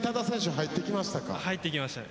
入ってきましたね。